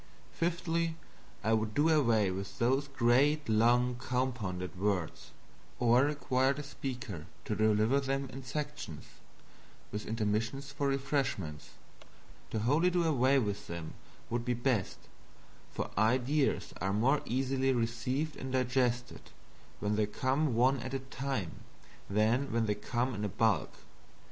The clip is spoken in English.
Fifthly, I would do away with those great long compounded words; or require the speaker to deliver them in sections, with intermissions for refreshments. To wholly do away with them would be best, for ideas are more easily received and digested when they come one at a time than when they come in bulk.